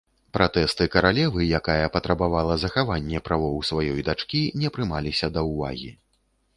Пратэсты каралевы, якая патрабавала захаванне правоў сваёй дачкі, не прымаліся да ўвагі.